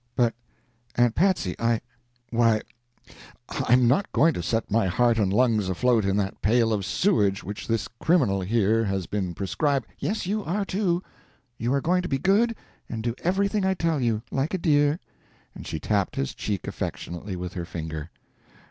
"But, Aunt Patsy, I why, I'm not going to set my heart and lungs afloat in that pail of sewage which this criminal here has been prescri " "Yes, you are, too. You are going to be good, and do everything I tell you, like a dear," and she tapped his cheek affectionately with her finger.